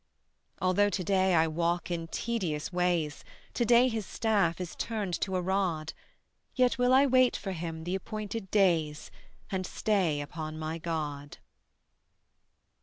Although to day I walk in tedious ways, To day His staff is turned into a rod, Yet will I wait for Him the appointed days And stay upon my God.